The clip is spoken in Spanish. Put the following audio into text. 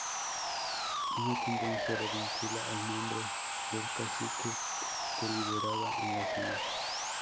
Una tendencia lo vincula al nombre del Cacique que lideraba en la zona.